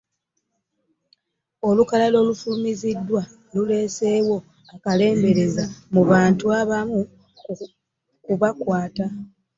Olukalala olufulumiziddwa luleeseewo akalembereza mu bantu b'abamu ku bakwate